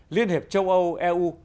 liên hợp châu âu eu